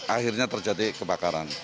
akhirnya terjadi kebakaran